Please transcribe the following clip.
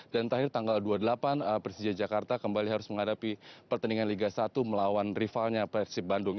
dan terakhir tanggal dua puluh delapan persija jakarta kembali harus menghadapi pertandingan lega satu melawan rivalnya persib bandung